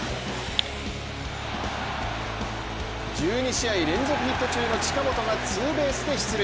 １２試合連続ヒット中の近本がツーベースで出塁。